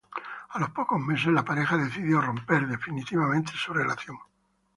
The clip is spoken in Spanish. A los pocos meses la pareja decidió romper definitivamente su relación.